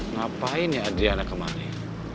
ngapain nih adriana kemarin